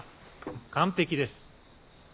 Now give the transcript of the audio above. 完璧です。